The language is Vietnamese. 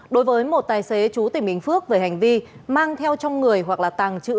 đối với một tài xế chú tỉnh bình phước về hành vi mang theo trong người hoặc là tàng trữ